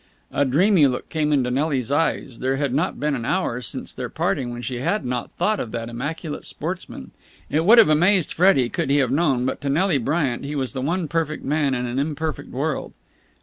A dreamy look came into Nelly's eyes. There had not been an hour since their parting when she had not thought of that immaculate sportsman. It would have amazed Freddie, could he have known, but to Nelly Bryant he was the one perfect man in an imperfect world.